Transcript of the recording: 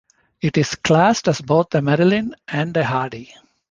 It is classed as both a Marilyn and a Hardy.